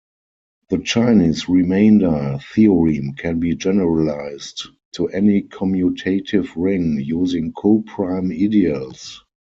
The Chinese remainder theorem can be generalized to any commutative ring, using coprime ideals.